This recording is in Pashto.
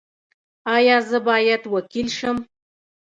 ایا زه باید وکیل شم؟